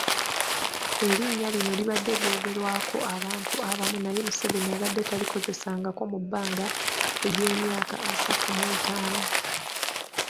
Erinnya lino libadde lyogerwako abantu abamu naye Museveni abadde talikozesangako mu bbanga ly'emyaka asatumw'etaano.